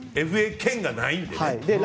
ＦＡ権がないのでね。